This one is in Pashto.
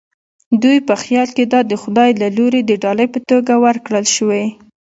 دوی په خیال دا د خدای له لوري د ډالۍ په توګه ورکړل شوې.